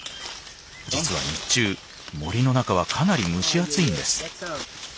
実は日中森の中はかなり蒸し暑いんです。